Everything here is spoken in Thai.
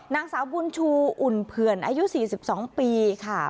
นางสาวบุญชูอุ่นเผื่อนอายุ๔๒ปีค่ะ